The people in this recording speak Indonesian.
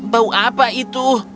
bau apa itu